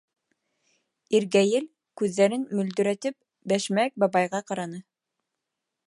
Иргәйел, күҙҙәрен мөлдөрәтеп, Бәшмәк бабайға ҡараны.